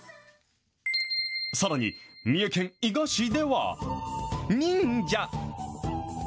さらに三重県伊賀市では、忍者。